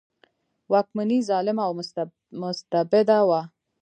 واکمني ظالمه او مستبده وه.